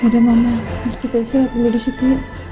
udah mama kita isi lihat dulu di situ